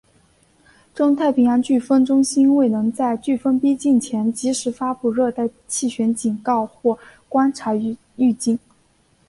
中太平洋飓风中心未能在飓风逼近前及时发布热带气旋警告或观察预警。